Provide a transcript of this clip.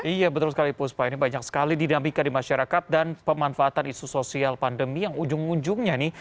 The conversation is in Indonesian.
iya betul sekali puspa ini banyak sekali dinamika di masyarakat dan pemanfaatan isu sosial pandemi yang ujung ujungnya nih